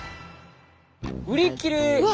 売り切れ。